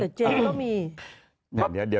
แต่เจ๊ก็มี